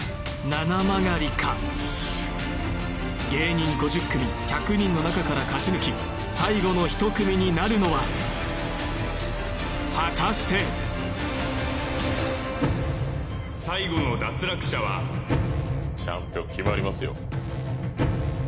ななまがりか芸人５０組１００人の中から勝ち抜き最後の１組になるのは果たして最後の脱落者はチャンピオン決まりますよ